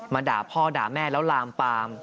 ด่าพ่อด่าแม่แล้วลามปาม